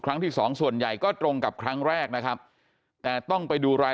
ครั้งที่สองส่วนใหญ่ก็ตรงกับครั้งแรกนะครับแต่ต้องไปดูราย